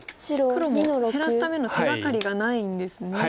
黒も減らすための手がかりがないんですね。